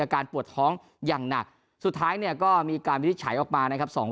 อาการปวดท้องอย่างหนักสุดท้ายเนี่ยก็มีการวินิจฉัยออกมานะครับ